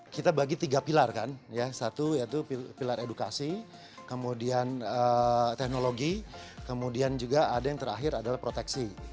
kita bagi tiga pilar kan ya satu yaitu pilar edukasi kemudian teknologi kemudian juga ada yang terakhir adalah proteksi